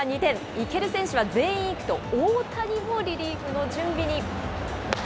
いける選手は全員いくと、大谷もリリーフの準備に。